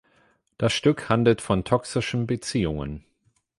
Das Stück handelt von toxischen Beziehungen.